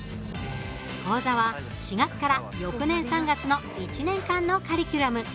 講座は４月から翌年３月の１年間のカリキュラム。